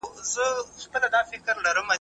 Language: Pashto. تاسو د مثبت ذهنیت سره خپلي ټولي موخي ترلاسه کوئ.